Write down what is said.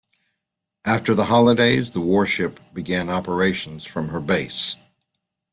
After the holidays, the warship began operations from her base.